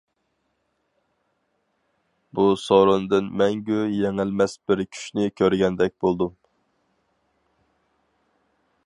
بۇ سورۇندىن مەڭگۈ يېڭىلمەس بىر كۈچنى كۆرگەندەك بولدۇم.